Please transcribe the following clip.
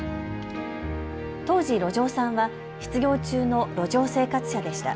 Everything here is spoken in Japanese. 当時、路上さんは失業中の路上生活者でした。